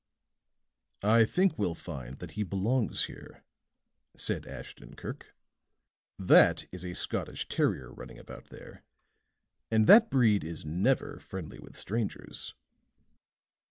"I think we'll find that he belongs here," said Ashton Kirk. "That is a Scottish terrier running about there; and that breed is never friendly with strangers."